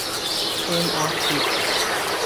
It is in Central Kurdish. ئێن ئاڕ تی